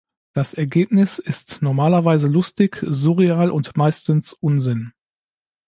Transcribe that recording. Das Ergebnis ist normalerweise lustig, surreal und meistens Unsinn.